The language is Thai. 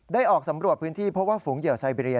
ออกสำรวจพื้นที่เพราะว่าฝูงเหยื่อไซเบรีย